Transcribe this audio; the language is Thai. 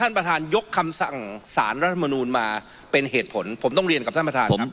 ท่านประธานยกคำสั่งสารรัฐมนูลมาเป็นเหตุผลผมต้องเรียนกับท่านประธานครับ